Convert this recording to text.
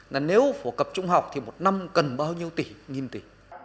là nếu phổ cập trung học thì một năm cần bao nhiêu tỷ nghìn tỷ